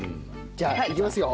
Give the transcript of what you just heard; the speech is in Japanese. じゃあいきますよ！